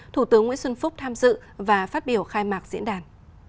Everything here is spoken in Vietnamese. thủ tướng nguyễn xuân phúc tham dự và phát biểu khai mạc diễn đàn